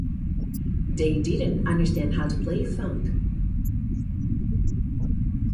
They didn't understand how to play funk.